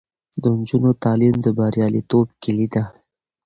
د نجونو تعلیم د بریالیتوب کیلي ده.